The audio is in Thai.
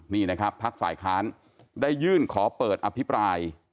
นี่นะครับพักฝ่ายค้านได้ยื่นขอเปิดอภิปราย